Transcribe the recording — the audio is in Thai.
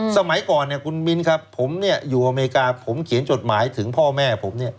สมัยก่อนคุณมิ้นครับผมอยู่อเมริกาผมเขียนจดหมายถึงพ่อแม่ผม